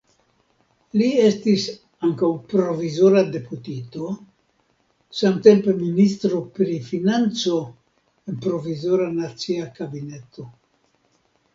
Li estis ankaŭ provizora deputito, samtempe ministro pri financo en Provizora Nacia Kabineto.